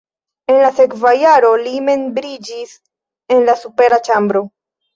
En la sekva jaro li membriĝis en la supera ĉambro.